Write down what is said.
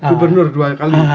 gubernur dua kali